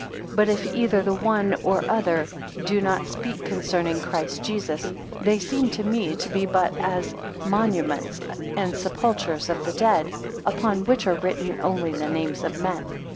7 But if either the one, or other, do not speak concerning Christ Jesus; they seem to me to be but as monuments and sepulchres of the dead, upon which are written only the names of men.